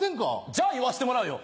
じゃあ言わせてもらうよ。